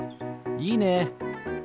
いいね！